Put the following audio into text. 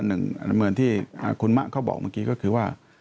เหมือนที่คุณมะเขาบอกเมื่อกี้ก็คือว่า